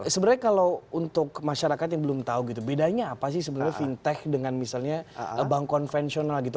sebenarnya kalau untuk masyarakat yang belum tahu gitu bedanya apa sih sebenarnya fintech dengan misalnya bank konvensional gitu